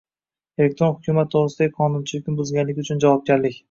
Elektron hukumat to‘g‘risidagi qonunchilikni buzganlik uchun javobgarlik